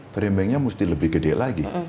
framingnya mesti lebih gede lagi